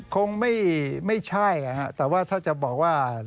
คงไม่ใช่แต่ว่าถ้าจะบอกว่า